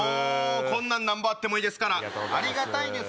こんなんなんぼあってもいいですからありがたいです。